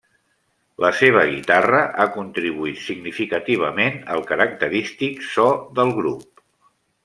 La seva guitarra ha contribuït significativament al característic so del grup.